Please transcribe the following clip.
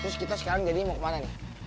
terus kita sekarang jadi mau kemana nih